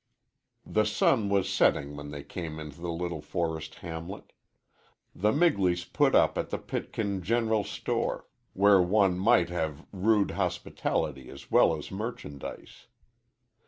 The sun was setting when they came into the little forest hamlet. The Migleys put up at the Pitkin general store, where one might have rude hospitality as well as merchandise.